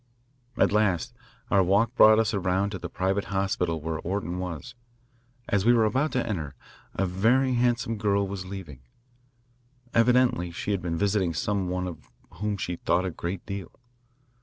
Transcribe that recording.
At last our walk brought us around to the private hospital where Orton was. As we were about to enter, a very handsome girl was leaving. Evidently she had been visiting some one of whom she thought a great deal.